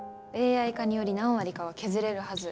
ＡＩ化により何割かは削れるはず。